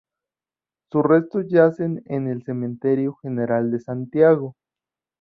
Sus restos yacen en el Cementerio General de Santiago.